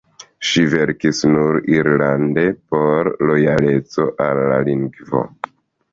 Ŝi verkis nur irlande por lojaleco al la lingvo.